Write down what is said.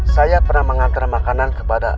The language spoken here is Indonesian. saya pernah mengantar makanan kepada